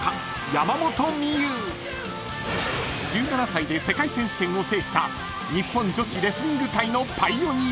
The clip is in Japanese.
［１７歳で世界選手権を制した日本女子レスリング界のパイオニア］